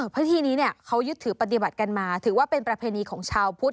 พื้นที่นี้เขายึดถือปฏิบัติกันมาถือว่าเป็นประเพณีของชาวพุทธ